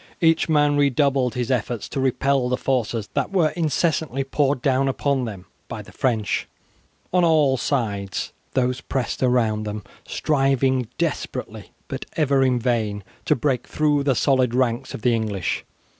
Each man redoubled his efforts to repel the forces that were incessantly poured down upon them by the French. On all sides these pressed around them, striving desperately, but ever in vain, to break through the solid ranks of the English.